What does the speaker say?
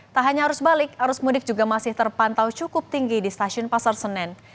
tak hanya arus balik arus mudik juga masih terpantau cukup tinggi di stasiun pasar senen